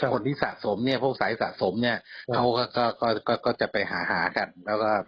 คนที่สะสมพวกสายสะสมเขาก็จะไปหาครับ